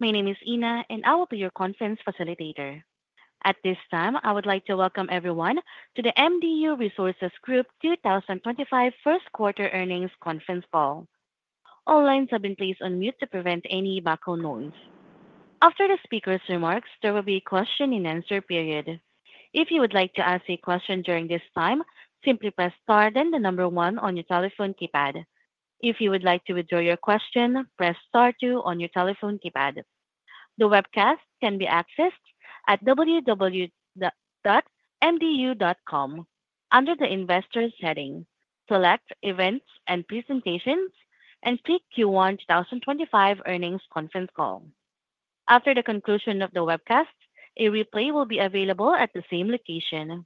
My name is Ina, and I will be your conference facilitator. At this time, I would like to welcome everyone to the MDU Resources Group 2025 First Quarter Earnings Conference Call. All lines have been placed on mute to prevent any background noise. After the speaker's remarks, there will be a question-and-answer period. If you would like to ask a question during this time, simply press Star then the number 1 on your telephone keypad. If you would like to withdraw your question, press Star 2 on your telephone keypad. The webcast can be accessed at www.mdu.com. Under the Investors heading, select Events and Presentations, and pick Q1 2025 Earnings Conference Call. After the conclusion of the webcast, a replay will be available at the same location.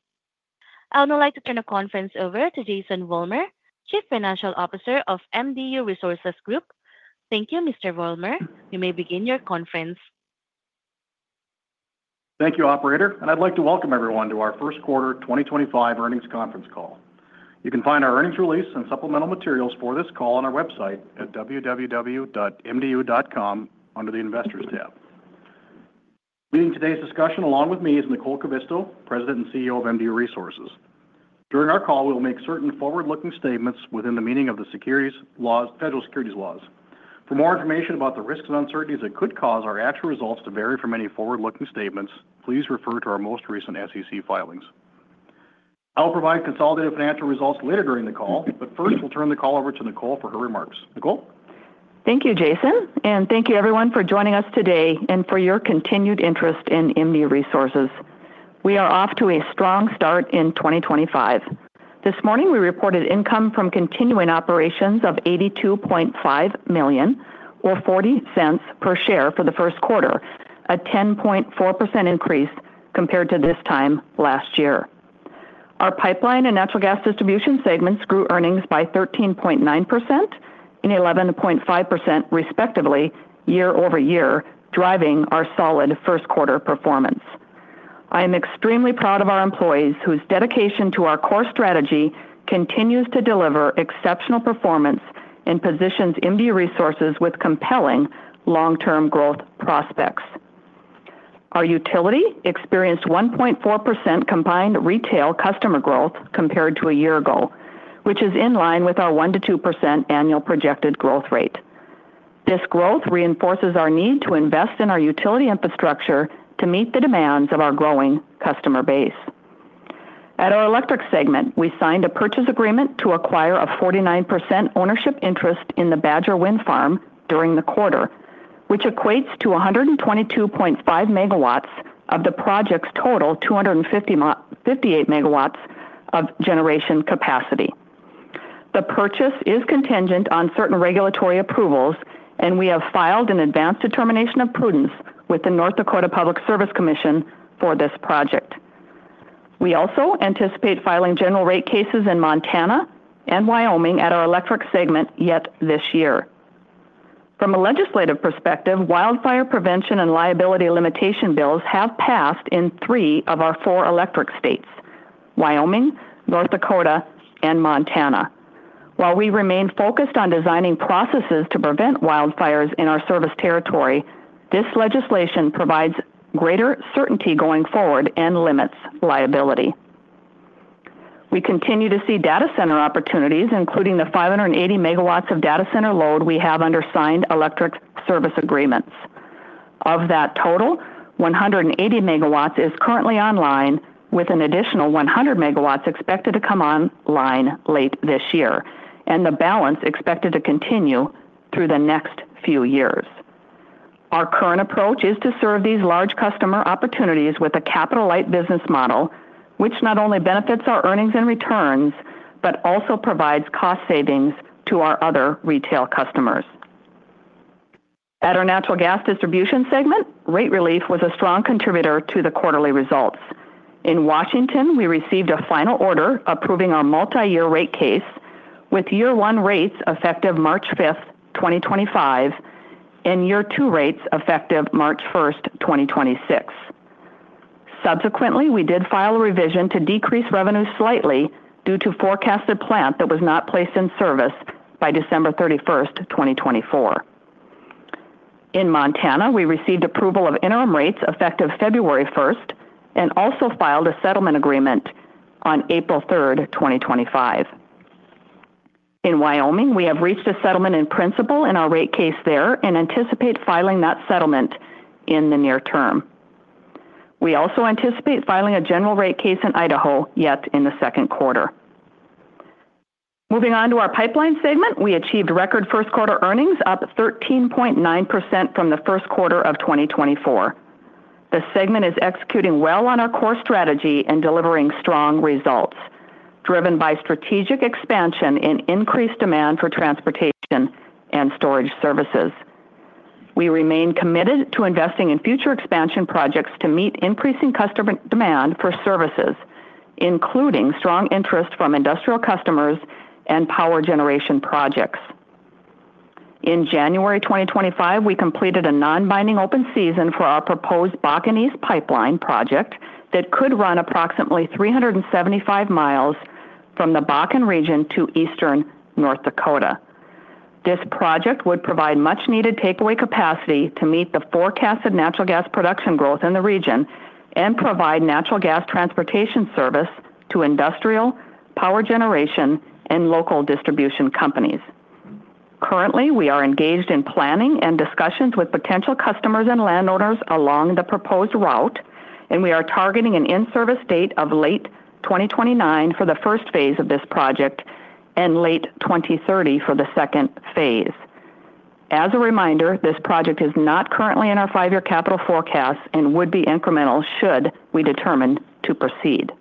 I would now like to turn the conference over to Jason Vollmer, Chief Financial Officer of MDU Resources Group. Thank you, Mr. Vollmer. You may begin your conference. Thank you, Operator. I would like to welcome everyone to our First Quarter 2025 Earnings Conference Call. You can find our earnings release and supplemental materials for this call on our website at www.mdu.com under the Investors tab. Leading today's discussion along with me is Nicole Kivisto, President and CEO of MDU Resources. During our call, we will make certain forward-looking statements within the meaning of the Federal Securities Laws. For more information about the risks and uncertainties that could cause our actual results to vary from any forward-looking statements, please refer to our most recent SEC filings. I will provide consolidated financial results later during the call, but first, we will turn the call over to Nicole for her remarks. Nicole? Thank you, Jason. Thank you, everyone, for joining us today and for your continued interest in MDU Resources. We are off to a strong start in 2025. This morning, we reported income from continuing operations of $82.5 million, or $0.40 per share for the first quarter, a 10.4% increase compared to this time last year. Our pipeline and natural gas distribution segments grew earnings by 13.9% and 11.5%, respectively, year-over-year, driving our solid first quarter performance. I am extremely proud of our employees whose dedication to our core strategy continues to deliver exceptional performance and positions MDU Resources with compelling long-term growth prospects. Our utility experienced 1.4% combined retail customer growth compared to a year ago, which is in line with our 1%-2% annual projected growth rate. This growth reinforces our need to invest in our utility infrastructure to meet the demands of our growing customer base. At our electric segment, we signed a purchase agreement to acquire a 49% ownership interest in the Badger wind farm during the quarter, which equates to 122.5 MW of the project's total 258 MW of generation capacity. The purchase is contingent on certain regulatory approvals, and we have filed an advanced determination of prudence with the North Dakota Public Service Commission for this project. We also anticipate filing general rate cases in Montana and Wyoming at our electric segment yet this year. From a legislative perspective, wildfire prevention and liability limitation bills have passed in three of our four electric states: Wyoming, North Dakota, and Montana. While we remain focused on designing processes to prevent wildfires in our service territory, this legislation provides greater certainty going forward and limits liability. We continue to see data center opportunities, including the 580 megawatts of data center load we have under signed electric service agreements. Of that total, 180 megawatts is currently online, with an additional 100 megawatts expected to come online late this year and the balance expected to continue through the next few years. Our current approach is to serve these large customer opportunities with a capital-light business model, which not only benefits our earnings and returns but also provides cost savings to our other retail customers. At our natural gas distribution segment, rate relief was a strong contributor to the quarterly results. In Washington, we received a final order approving our multi-year rate case, with year one rates effective March 5, 2025, and year two rates effective March 1, 2026. Subsequently, we did file a revision to decrease revenue slightly due to forecasted plant that was not placed in service by December 31, 2024. In Montana, we received approval of interim rates effective February 1 and also filed a settlement agreement on April 3, 2025. In Wyoming, we have reached a settlement in principle in our rate case there and anticipate filing that settlement in the near term. We also anticipate filing a general rate case in Idaho yet in the second quarter. Moving on to our pipeline segment, we achieved record first quarter earnings, up 13.9% from the first quarter of 2024. The segment is executing well on our core strategy and delivering strong results, driven by strategic expansion and increased demand for transportation and storage services. We remain committed to investing in future expansion projects to meet increasing customer demand for services, including strong interest from industrial customers and power generation projects. In January 2025, we completed a non-binding open season for our proposed Bakken East pipeline project that could run approximately 375 mi from the Bakken region to eastern North Dakota. This project would provide much-needed takeaway capacity to meet the forecasted natural gas production growth in the region and provide natural gas transportation service to industrial, power generation, and local distribution companies. Currently, we are engaged in planning and discussions with potential customers and landowners along the proposed route, and we are targeting an in-service date of late 2029 for the first phase of this project and late 2030 for the second phase. As a reminder, this project is not currently in our five-year capital forecast and would be incremental should we determine to proceed.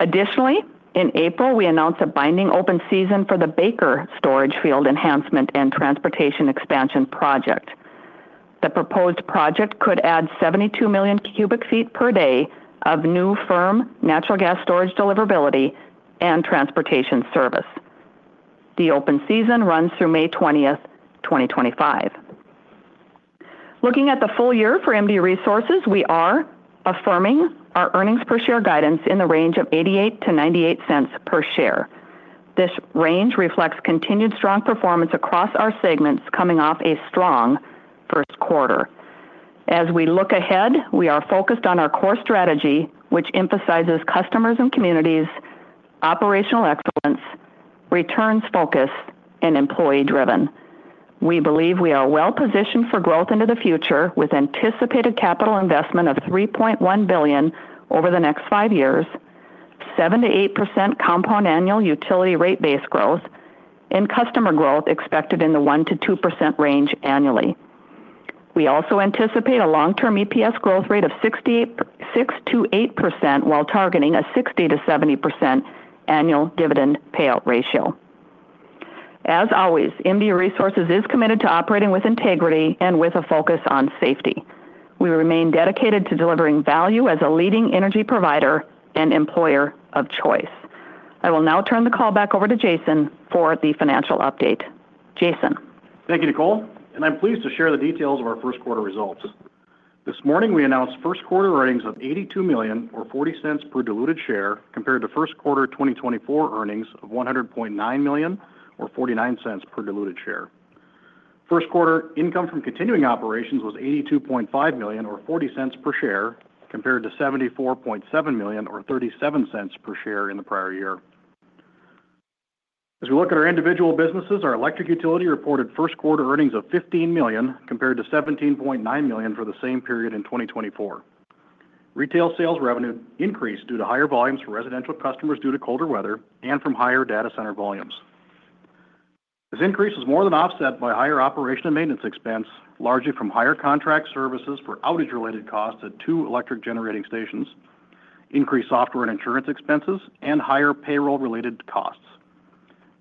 Additionally, in April, we announced a binding open season for the Baker storage field enhancement and transportation expansion project. The proposed project could add 72 million cubic feet per day of new firm natural gas storage deliverability and transportation service. The open season runs through May 20, 2025. Looking at the full year for MDU Resources, we are affirming our earnings per share guidance in the range of $0.88-$0.98 per share. This range reflects continued strong performance across our segments coming off a strong first quarter. As we look ahead, we are focused on our core strategy, which emphasizes customers and communities, operational excellence, returns focus, and employee-driven. We believe we are well positioned for growth into the future with anticipated capital investment of $3.1 billion over the next five years, 7-8% compound annual utility rate base growth, and customer growth expected in the 1-2% range annually. We also anticipate a long-term EPS growth rate of 6-8% while targeting a 60-70% annual dividend payout ratio. As always, MDU Resources is committed to operating with integrity and with a focus on safety. We remain dedicated to delivering value as a leading energy provider and employer of choice. I will now turn the call back over to Jason for the financial update. Jason. Thank you, Nicole. I'm pleased to share the details of our first quarter results. This morning, we announced first quarter earnings of $82 million, or $0.40 per diluted share, compared to first quarter 2024 earnings of $100.9 million, or $0.49 per diluted share. First quarter income from continuing operations was $82.5 million, or $0.40 per share, compared to $74.7 million, or $0.37 per share in the prior year. As we look at our individual businesses, our electric utility reported first quarter earnings of $15 million, compared to $17.9 million for the same period in 2024. Retail sales revenue increased due to higher volumes for residential customers due to colder weather and from higher data center volumes. This increase was more than offset by higher operation and maintenance expense, largely from higher contract services for outage-related costs at two electric generating stations, increased software and insurance expenses, and higher payroll-related costs.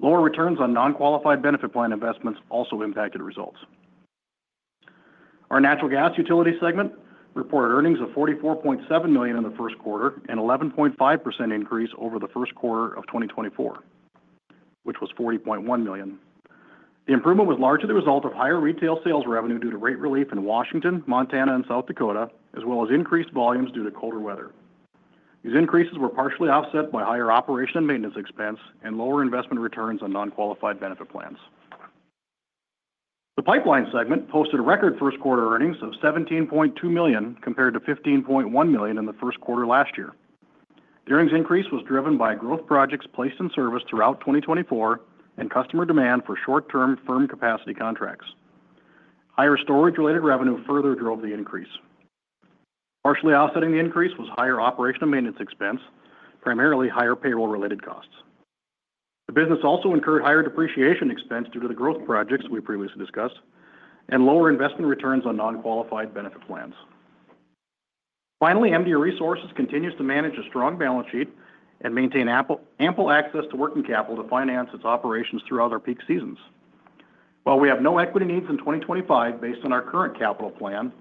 Lower returns on non-qualified benefit plan investments also impacted results. Our natural gas utility segment reported earnings of $44.7 million in the first quarter, an 11.5% increase over the first quarter of 2024, which was $40.1 million. The improvement was largely the result of higher retail sales revenue due to rate relief in Washington, Montana, and South Dakota, as well as increased volumes due to colder weather. These increases were partially offset by higher operation and maintenance expense and lower investment returns on non-qualified benefit plans. The pipeline segment posted record first quarter earnings of $17.2 million, compared to $15.1 million in the first quarter last year. The earnings increase was driven by growth projects placed in service throughout 2024 and customer demand for short-term firm capacity contracts. Higher storage-related revenue further drove the increase. Partially offsetting the increase was higher operation and maintenance expense, primarily higher payroll-related costs. The business also incurred higher depreciation expense due to the growth projects we previously discussed and lower investment returns on non-qualified benefit plans. Finally, MDU Resources continues to manage a strong balance sheet and maintain ample access to working capital to finance its operations throughout our peak seasons. While we have no equity needs in 2025 based on our current capital plan,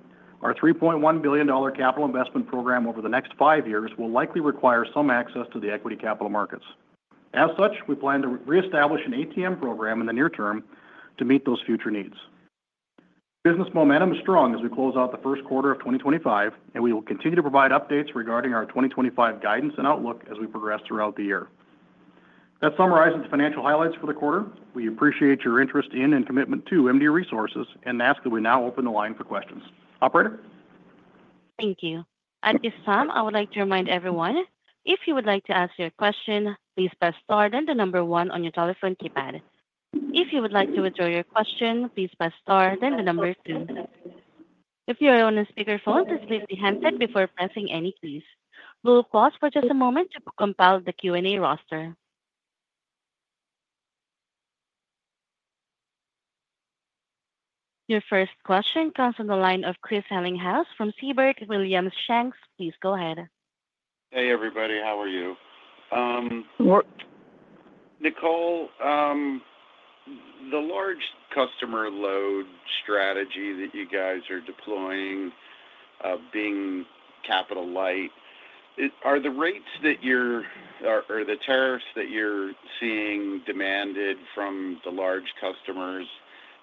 our $3.1 billion capital investment program over the next five years will likely require some access to the equity capital markets. As such, we plan to reestablish an ATM program in the near term to meet those future needs. Business momentum is strong as we close out the first quarter of 2025, and we will continue to provide updates regarding our 2025 guidance and outlook as we progress throughout the year. That summarizes the financial highlights for the quarter. We appreciate your interest in and commitment to MDU Resources and ask that we now open the line for questions. Operator? Thank you. At this time, I would like to remind everyone, if you would like to ask your question, please press star then the number one on your telephone keypad. If you would like to withdraw your question, please press star then the number two. If you are on a speakerphone, please place the handset before pressing any keys. We'll pause for just a moment to compile the Q&A roster. Your first question comes from the line of Chris Ellinghaus from Siebert Williams Shank. Please go ahead. Hey, everybody. How are you? We're. Nicole, the large customer load strategy that you guys are deploying, being capital-light, are the rates that you're or the tariffs that you're seeing demanded from the large customers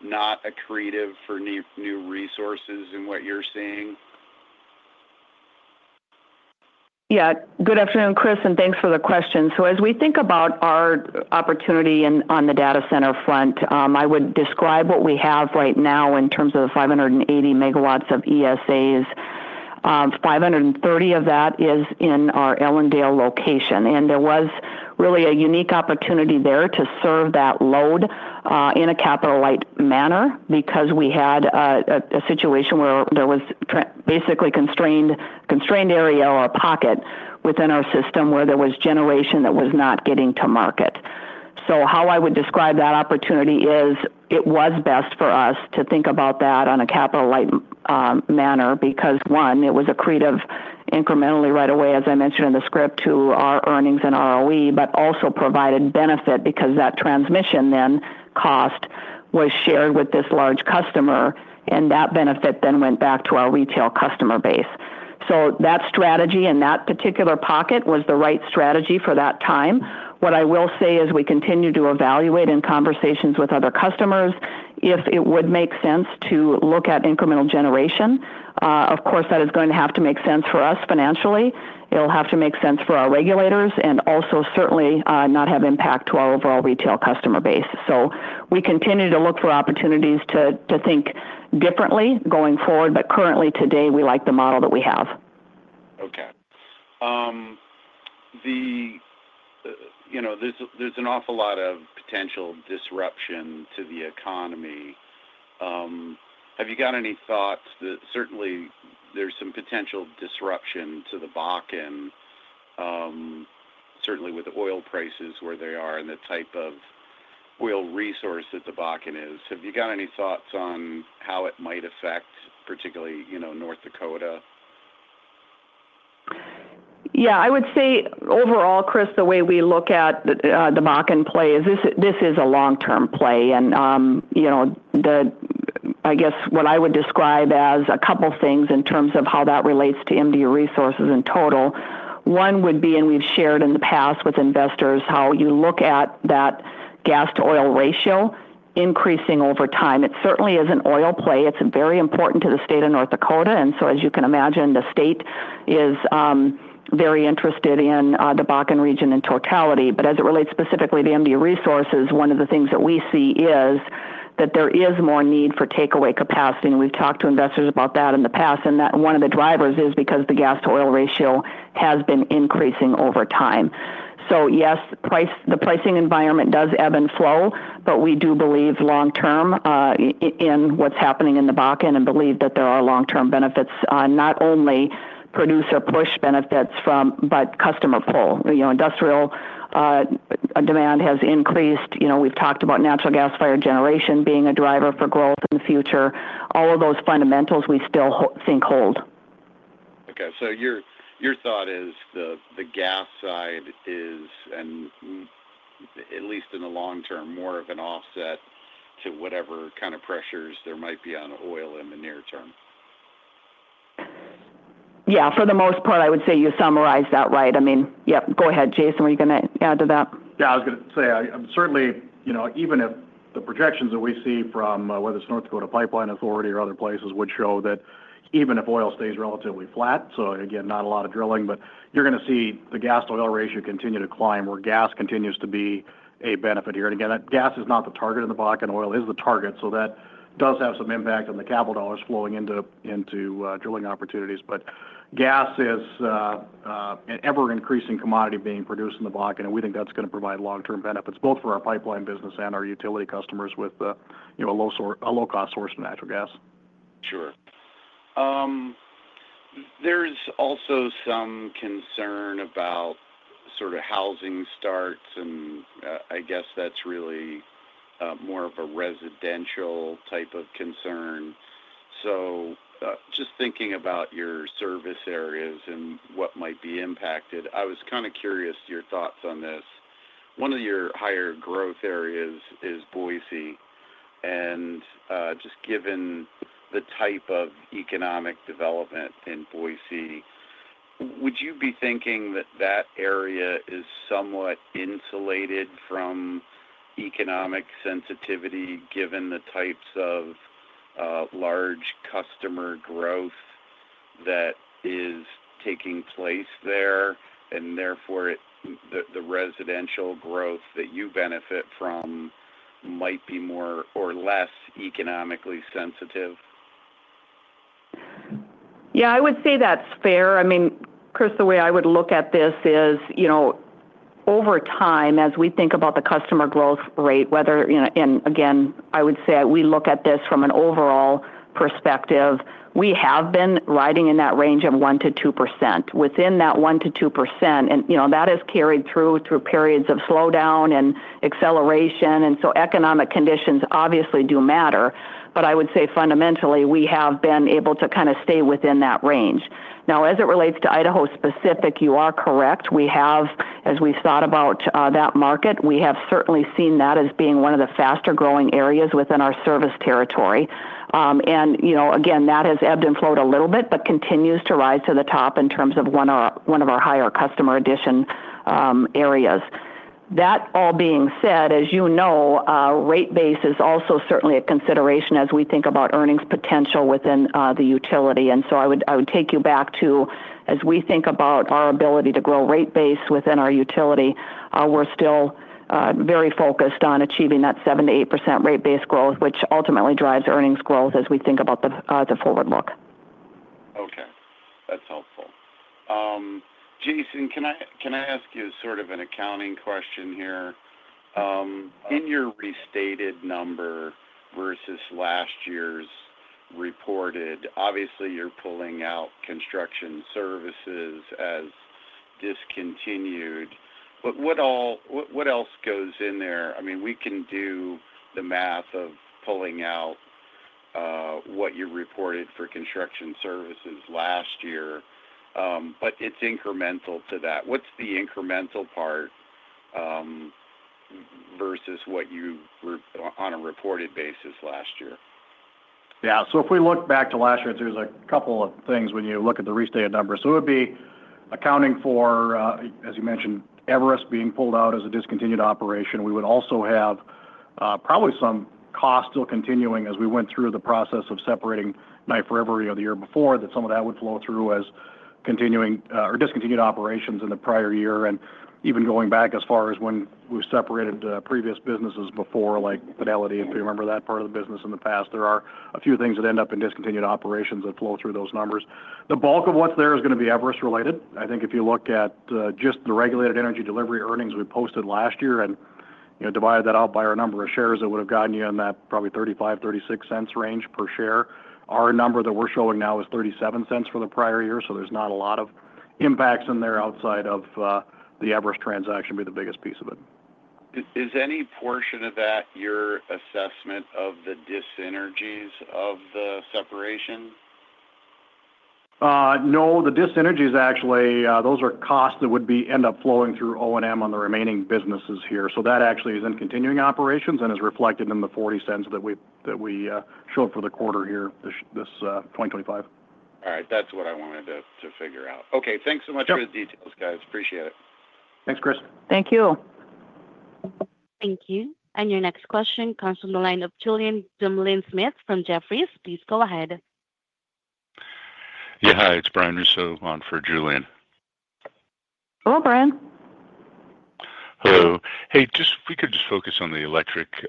not accretive for new resources in what you're seeing? Yeah. Good afternoon, Chris, and thanks for the question. As we think about our opportunity on the data center front, I would describe what we have right now in terms of the 580 megawatts of ESAs. 530 of that is in our Ellendale location. There was really a unique opportunity there to serve that load in a capital-light manner because we had a situation where there was basically a constrained area or a pocket within our system where there was generation that was not getting to market. How I would describe that opportunity is it was best for us to think about that on a capital-light manner because, one, it was accretive incrementally right away, as I mentioned in the script, to our earnings and ROE, but also provided benefit because that transmission then cost was shared with this large customer, and that benefit then went back to our retail customer base. That strategy in that particular pocket was the right strategy for that time. What I will say is we continue to evaluate in conversations with other customers if it would make sense to look at incremental generation. Of course, that is going to have to make sense for us financially. It'll have to make sense for our regulators and also certainly not have impact to our overall retail customer base. We continue to look for opportunities to think differently going forward, but currently, today, we like the model that we have. Okay. There is an awful lot of potential disruption to the economy. Have you got any thoughts that certainly there is some potential disruption to the Bakken, certainly with the oil prices where they are and the type of oil resource that the Bakken is? Have you got any thoughts on how it might affect particularly North Dakota? Yeah. I would say overall, Chris, the way we look at the Bakken play is this is a long-term play. I guess what I would describe as a couple of things in terms of how that relates to MDU Resources in total. One would be, and we've shared in the past with investors, how you look at that gas-to-oil ratio increasing over time. It certainly is an oil play. It's very important to the state of North Dakota. As you can imagine, the state is very interested in the Bakken region in totality. As it relates specifically to MDU Resources, one of the things that we see is that there is more need for takeaway capacity. We've talked to investors about that in the past. One of the drivers is because the gas-to-oil ratio has been increasing over time. Yes, the pricing environment does ebb and flow, but we do believe long-term in what's happening in the Bakken and believe that there are long-term benefits, not only producer push benefits from, but customer pull. Industrial demand has increased. We've talked about natural gas fire generation being a driver for growth in the future. All of those fundamentals we still think hold. Okay. So your thought is the gas side is, at least in the long term, more of an offset to whatever kind of pressures there might be on oil in the near term? Yeah. For the most part, I would say you summarized that right. I mean, yep. Go ahead, Jason. Were you going to add to that? Yeah. I was going to say, certainly, even if the projections that we see from whether it's North Dakota Pipeline Authority or other places would show that even if oil stays relatively flat, so again, not a lot of drilling, you're going to see the gas-to-oil ratio continue to climb where gas continues to be a benefit here. Again, gas is not the target in the Bakken. Oil is the target. That does have some impact on the capital dollars flowing into drilling opportunities. Gas is an ever-increasing commodity being produced in the Bakken, and we think that's going to provide long-term benefits both for our pipeline business and our utility customers with a low-cost source of natural gas. Sure. There is also some concern about sort of housing starts, and I guess that is really more of a residential type of concern. Just thinking about your service areas and what might be impacted, I was kind of curious your thoughts on this. One of your higher growth areas is Boise. Just given the type of economic development in Boise, would you be thinking that that area is somewhat insulated from economic sensitivity given the types of large customer growth that is taking place there and therefore the residential growth that you benefit from might be more or less economically sensitive? Yeah. I would say that's fair. I mean, Chris, the way I would look at this is over time, as we think about the customer growth rate, whether, and again, I would say we look at this from an overall perspective, we have been riding in that range of 1-2%. Within that 1-2%, and that has carried through periods of slowdown and acceleration. Economic conditions obviously do matter. I would say fundamentally, we have been able to kind of stay within that range. Now, as it relates to Idaho specific, you are correct. We have, as we've thought about that market, we have certainly seen that as being one of the faster-growing areas within our service territory. That has ebbed and flowed a little bit but continues to rise to the top in terms of one of our higher customer addition areas. That all being said, as you know, rate base is also certainly a consideration as we think about earnings potential within the utility. I would take you back to, as we think about our ability to grow rate base within our utility, we're still very focused on achieving that 7-8% rate base growth, which ultimately drives earnings growth as we think about the forward look. Okay. That's helpful. Jason, can I ask you sort of an accounting question here? In your restated number versus last year's reported, obviously, you're pulling out construction services as discontinued. What else goes in there? I mean, we can do the math of pulling out what you reported for construction services last year, but it's incremental to that. What's the incremental part versus what you on a reported basis last year? Yeah. If we look back to last year, there's a couple of things when you look at the restated number. It would be accounting for, as you mentioned, Everest being pulled out as a discontinued operation. We would also have probably some costs still continuing as we went through the process of separating Knife River the year before that some of that would flow through as continuing or discontinued operations in the prior year. Even going back as far as when we separated previous businesses before like Fidelity, if you remember that part of the business in the past, there are a few things that end up in discontinued operations that flow through those numbers. The bulk of what's there is going to be Everest-related. I think if you look at just the regulated energy delivery earnings we posted last year and divided that out by our number of shares, it would have gotten you in that probably $0.35, $0.36 range per share. Our number that we're showing now is $0.37 for the prior year. So there's not a lot of impacts in there outside of the Everest transaction being the biggest piece of it. Is any portion of that your assessment of the dis-synergies of the separation? No. The disenergies, actually, those are costs that would end up flowing through O&M on the remaining businesses here. So that actually is in continuing operations and is reflected in the $0.40 that we showed for the quarter here this 2025. All right. That's what I wanted to figure out. Okay. Thanks so much for the details, guys. Appreciate it. Thanks, Chris. Thank you. Thank you. Your next question comes from the line of Julian Dumoulin-Smith from Jefferies. Please go ahead. Yeah. Hi. It's Brian Russell on for Julian. Hello, Brian. Hello. Hey, we could just focus on the electric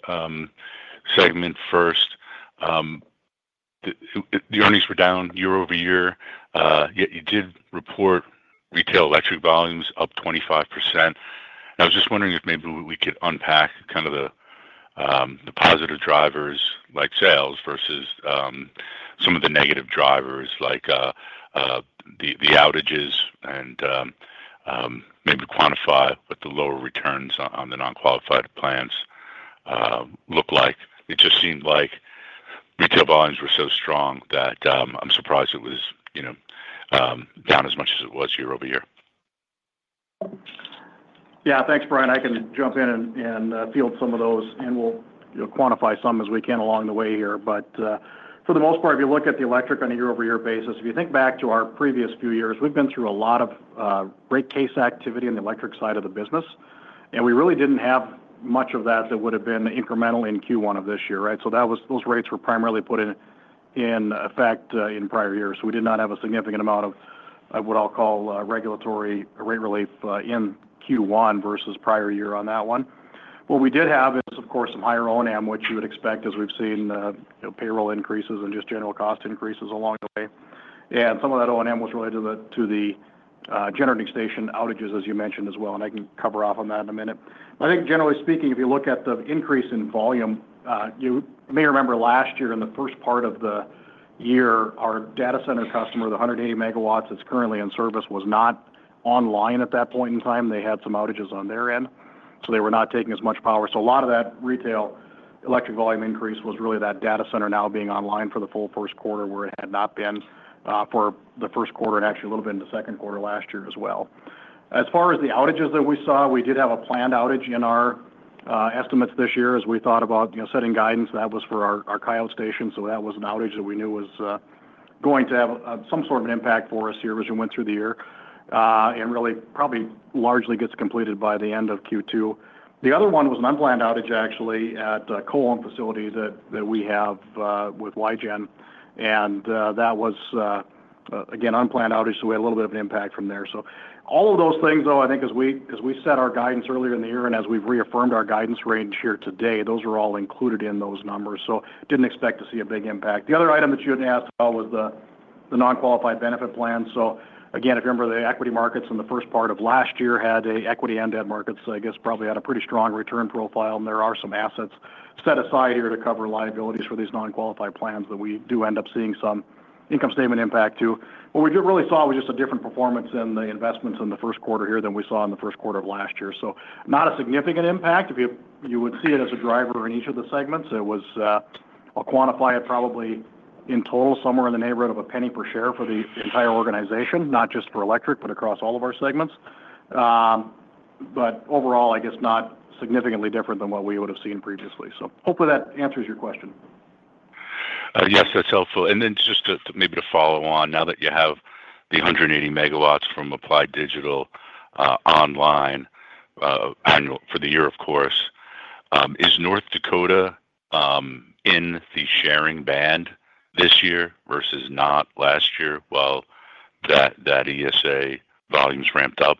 segment first. The earnings were down year-over-year, yet you did report retail electric volumes up 25%. I was just wondering if maybe we could unpack kind of the positive drivers like sales versus some of the negative drivers like the outages and maybe quantify what the lower returns on the non-qualified plants look like. It just seemed like retail volumes were so strong that I'm surprised it was down as much as it was year-over-year. Yeah. Thanks, Brian. I can jump in and field some of those, and we'll quantify some as we can along the way here. For the most part, if you look at the electric on a year-over-year basis, if you think back to our previous few years, we've been through a lot of rate case activity on the electric side of the business. We really did not have much of that that would have been incremental in Q1 of this year, right? Those rates were primarily put in effect in prior years. We did not have a significant amount of what I'll call regulatory rate relief in Q1 versus prior year on that one. What we did have is, of course, some higher O&M, which you would expect as we've seen payroll increases and just general cost increases along the way. Some of that O&M was related to the generating station outages, as you mentioned as well. I can cover off on that in a minute. I think, generally speaking, if you look at the increase in volume, you may remember last year in the first part of the year, our data center customer, the 180 MW that is currently in service, was not online at that point in time. They had some outages on their end, so they were not taking as much power. A lot of that retail electric volume increase was really that data center now being online for the full first quarter where it had not been for the first quarter and actually a little bit in the second quarter last year as well. As far as the outages that we saw, we did have a planned outage in our estimates this year as we thought about setting guidance. That was for our Kyle station. That was an outage that we knew was going to have some sort of an impact for us here as we went through the year and really probably largely gets completed by the end of Q2. The other one was an unplanned outage, actually, at the coal facility that we have with Basin Electric Power Cooperative. That was, again, unplanned outage. We had a little bit of an impact from there. All of those things, though, I think as we set our guidance earlier in the year and as we have reaffirmed our guidance range here today, those were all included in those numbers. Did not expect to see a big impact. The other item that you had asked about was the non-qualified benefit plan. Again, if you remember, the equity markets in the first part of last year had an equity and debt markets, I guess probably had a pretty strong return profile. There are some assets set aside here to cover liabilities for these non-qualified plans that we do end up seeing some income statement impact to. What we really saw was just a different performance in the investments in the first quarter here than we saw in the first quarter of last year. Not a significant impact. If you would see it as a driver in each of the segments, it was quantified probably in total somewhere in the neighborhood of a penny per share for the entire organization, not just for electric, but across all of our segments. Overall, I guess not significantly different than what we would have seen previously. Hopefully that answers your question. Yes. That's helpful. Just to maybe follow on, now that you have the 180 MW from Applied Digital online for the year, of course, is North Dakota in the sharing band this year versus not last year while that ESA volumes ramped up?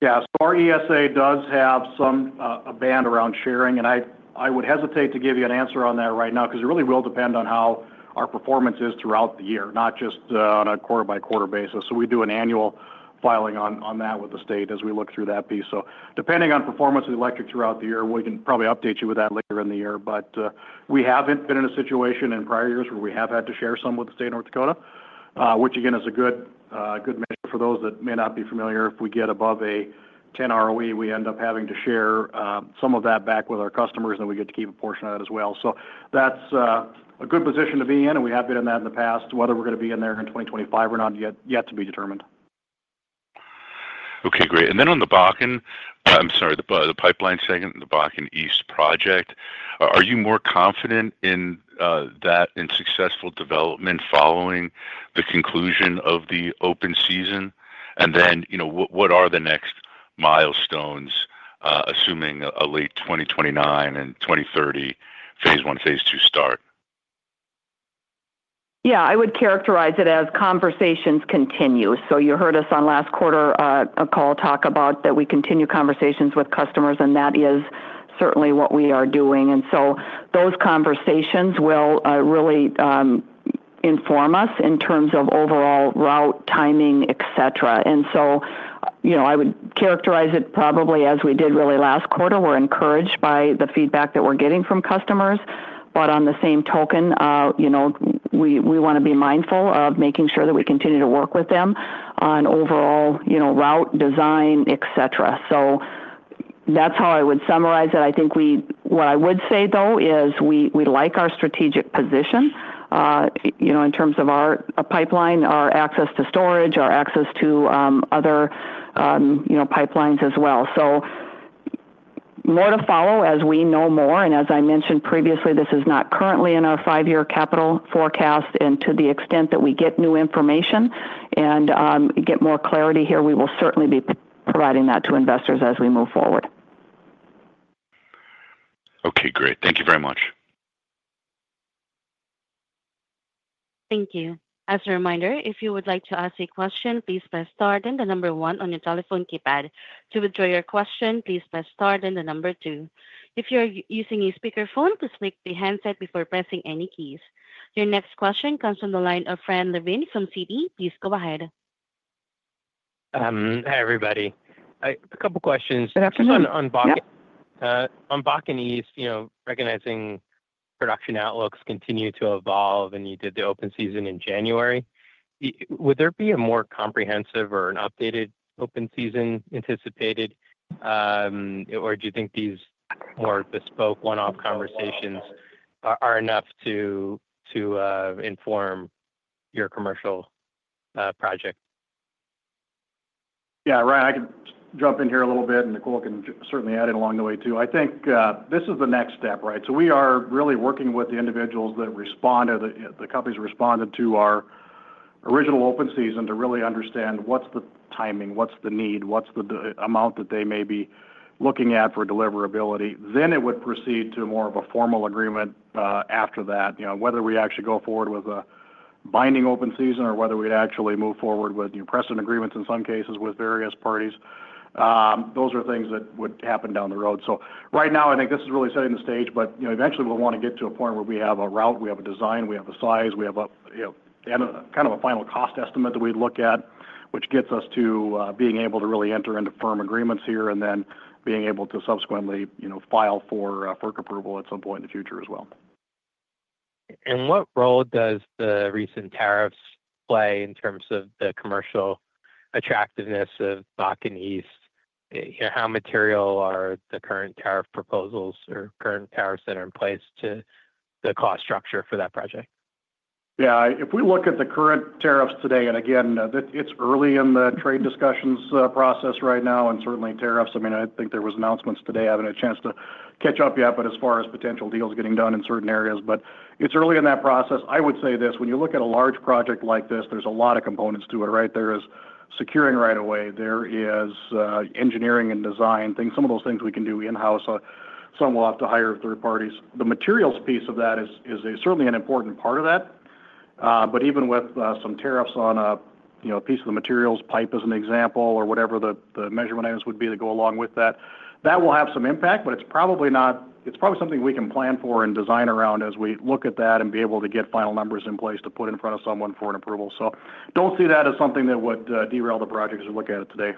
Yeah. Our ESA does have a band around sharing. I would hesitate to give you an answer on that right now because it really will depend on how our performance is throughout the year, not just on a quarter-by-quarter basis. We do an annual filing on that with the state as we look through that piece. Depending on performance of the electric throughout the year, we can probably update you with that later in the year. We have not been in a situation in prior years where we have had to share some with the state of North Dakota, which again is a good measure for those that may not be familiar. If we get above a 10% ROE, we end up having to share some of that back with our customers, and we get to keep a portion of that as well. That's a good position to be in, and we have been in that in the past. Whether we're going to be in there in 2025 or not yet to be determined. Okay. Great. On the Bakken, I'm sorry, the Pipeline Segment and the Bakken East project, are you more confident in that and successful development following the conclusion of the open season? What are the next milestones, assuming a late 2029 and 2030 phase one, phase two start? Yeah. I would characterize it as conversations continue. You heard us on last quarter a call talk about that we continue conversations with customers, and that is certainly what we are doing. Those conversations will really inform us in terms of overall route timing, etc. I would characterize it probably as we did really last quarter. We're encouraged by the feedback that we're getting from customers. On the same token, we want to be mindful of making sure that we continue to work with them on overall route design, etc. That's how I would summarize it. I think what I would say, though, is we like our strategic position in terms of our pipeline, our access to storage, our access to other pipelines as well. More to follow as we know more. As I mentioned previously, this is not currently in our five-year capital forecast. To the extent that we get new information and get more clarity here, we will certainly be providing that to investors as we move forward. Okay. Great. Thank you very much. Thank you. As a reminder, if you would like to ask a question, please press star then the number one on your telephone keypad. To withdraw your question, please press star then the number two. If you are using a speakerphone, please flip the handset before pressing any keys. Your next question comes from the line of Fran Levin from Citi. Please go ahead. Hi, everybody. A couple of questions. Good afternoon. On Bakken East, recognizing production outlooks continue to evolve and you did the open season in January, would there be a more comprehensive or an updated open season anticipated, or do you think these more bespoke one-off conversations are enough to inform your commercial project? Yeah. Ryan, I can jump in here a little bit, and Nicole can certainly add in along the way too. I think this is the next step, right? We are really working with the individuals that responded, the companies that responded to our original open season to really understand what's the timing, what's the need, what's the amount that they may be looking at for deliverability. It would proceed to more of a formal agreement after that. Whether we actually go forward with a binding open season or whether we actually move forward with new precedent agreements in some cases with various parties, those are things that would happen down the road. Right now, I think this is really setting the stage, but eventually, we'll want to get to a point where we have a route, we have a design, we have a size, we have kind of a final cost estimate that we'd look at, which gets us to being able to really enter into firm agreements here and then being able to subsequently file for work approval at some point in the future as well. What role do the recent tariffs play in terms of the commercial attractiveness of Bakken East? How material are the current tariff proposals or current tariffs that are in place to the cost structure for that project? Yeah. If we look at the current tariffs today, and again, it's early in the trade discussions process right now, and certainly tariffs, I mean, I think there were announcements today. I haven't had a chance to catch up yet, but as far as potential deals getting done in certain areas, it's early in that process. I would say this. When you look at a large project like this, there's a lot of components to it, right? There is securing right of way. There is engineering and design, some of those things we can do in-house. Some will have to hire third parties. The materials piece of that is certainly an important part of that. Even with some tariffs on a piece of the materials, pipe as an example, or whatever the measurement items would be that go along with that, that will have some impact, but it's probably something we can plan for and design around as we look at that and be able to get final numbers in place to put in front of someone for an approval. Do not see that as something that would derail the project as we look at it today.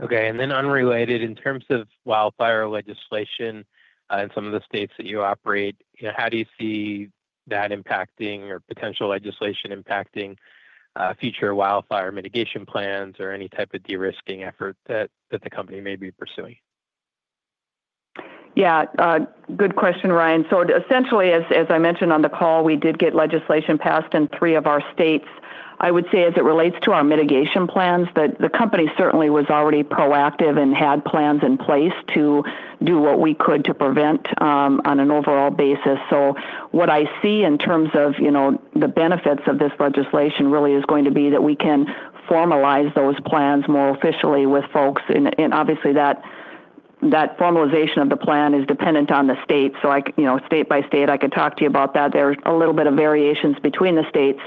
Okay. In terms of wildfire legislation in some of the states that you operate, how do you see that impacting or potential legislation impacting future wildfire mitigation plans or any type of de-risking effort that the company may be pursuing? Yeah. Good question, Ryan. Essentially, as I mentioned on the call, we did get legislation passed in three of our states. I would say as it relates to our mitigation plans, the company certainly was already proactive and had plans in place to do what we could to prevent on an overall basis. What I see in terms of the benefits of this legislation really is going to be that we can formalize those plans more officially with folks. Obviously, that formalization of the plan is dependent on the state. State by state, I could talk to you about that. There is a little bit of variation between the states.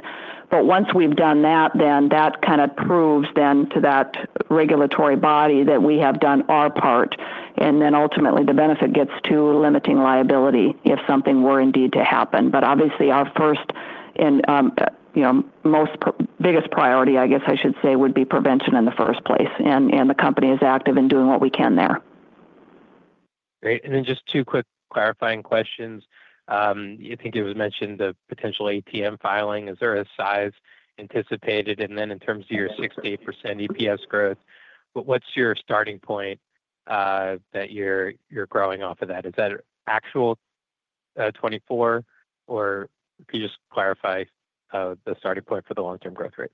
Once we have done that, that kind of proves to that regulatory body that we have done our part. Ultimately, the benefit gets to limiting liability if something were indeed to happen. Our first and most biggest priority, I guess I should say, would be prevention in the first place. The company is active in doing what we can there. Great. Just two quick clarifying questions. I think it was mentioned, the potential ATM filing. Is there a size anticipated? In terms of your 6%-8% EPS growth, what's your starting point that you're growing off of? Is that actual 2024, or could you just clarify the starting point for the long-term growth rate?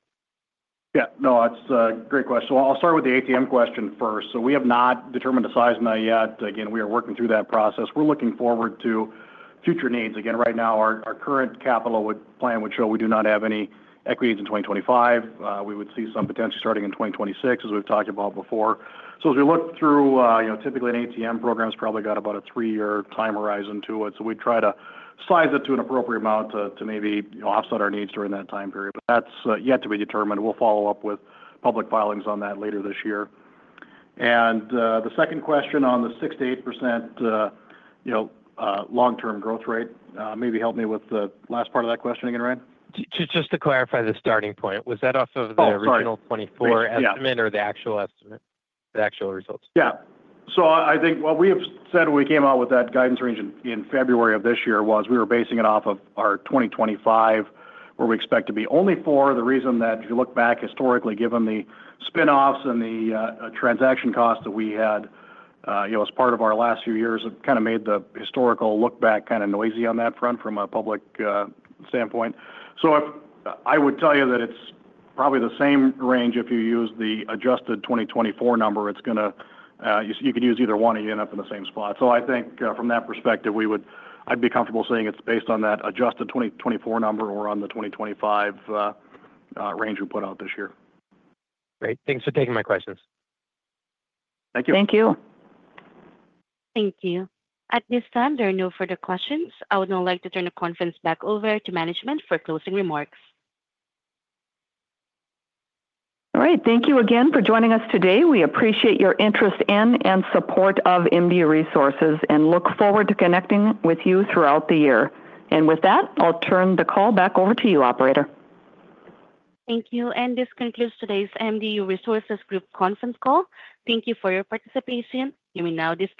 Yeah. No, that's a great question. I'll start with the ATM question first. We have not determined a size yet. Again, we are working through that process. We're looking forward to future needs. Right now, our current capital plan would show we do not have any equities in 2025. We would see some potentially starting in 2026, as we've talked about before. As we look through, typically an ATM program has probably got about a three-year time horizon to it. We'd try to size it to an appropriate amount to maybe offset our needs during that time period. That's yet to be determined. We'll follow up with public filings on that later this year. The second question on the 6%-8% long-term growth rate, maybe help me with the last part of that question again, Ryan? Just to clarify the starting point, was that off of the original 2024 estimate or the actual estimate, the actual results? Yeah. I think what we have said when we came out with that guidance range in February of this year was we were basing it off of our 2025, where we expect to be only four. The reason that if you look back historically, given the spinoffs and the transaction costs that we had as part of our last few years, it kind of made the historical look back kind of noisy on that front from a public standpoint. I would tell you that it's probably the same range if you use the adjusted 2024 number. You could use either one and you end up in the same spot. I think from that perspective, I'd be comfortable saying it's based on that adjusted 2024 number or on the 2025 range we put out this year. Great. Thanks for taking my questions. Thank you. Thank you. Thank you. At this time, there are no further questions. I would now like to turn the conference back over to management for closing remarks. All right. Thank you again for joining us today. We appreciate your interest in and support of MDU Resources and look forward to connecting with you throughout the year. With that, I'll turn the call back over to you, Operator. Thank you. This concludes today's MDU Resources Group conference call. Thank you for your participation. You may now disconnect.